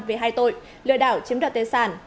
về hai tội lừa đảo chiếm đoạt tế sản